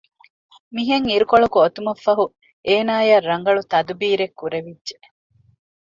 މިހެން އިރުކޮޅަކު އޮތުމަށް ފަހު އޭނާޔަށް ރަނގަޅު ތަދުބީރެއް ކުރެވިއްޖެ